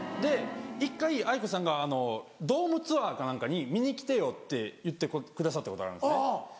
１回ａｉｋｏさんがドームツアーか何かに見に来てよって言ってくださったことがあるんですね。